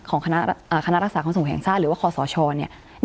ของคณะรักษาครองส่งแห่งชาติรือว่าพรศชเราน์นักการมงาน